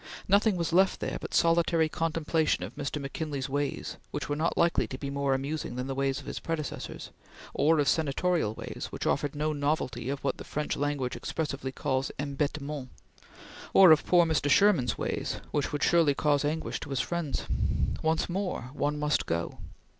Nothing was left there but solitary contemplation of Mr. McKinley's ways which were not likely to be more amusing than the ways of his predecessors; or of senatorial ways, which offered no novelty of what the French language expressively calls embetement; or of poor Mr. Sherman's ways which would surely cause anguish to his friends. Once more, one must go!